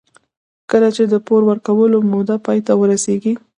کله چې د پور ورکولو موده پای ته ورسېږي